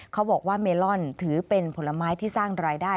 เขาบอกว่าเมลอนถือเป็นผลไม้ที่สร้างรายได้